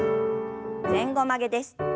前後曲げです。